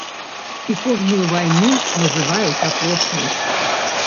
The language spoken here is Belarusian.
І кожную вайну называюць апошняй.